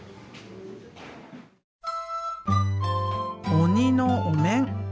鬼のお面。